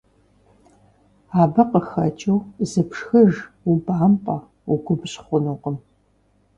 Абы къыхэкӀыу, зыпшхыхьыж, убампӀэ, угубжь хъунукъым.